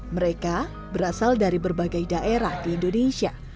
mereka berasal dari berbagai daerah di indonesia